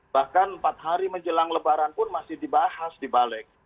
bahkan empat hari menjelang lebaran pun masih dibahas di balik